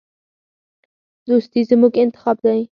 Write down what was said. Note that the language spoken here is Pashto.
دوستي زموږ انتخاب دی.